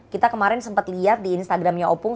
kita kemarin sempat liat di instagramnya opong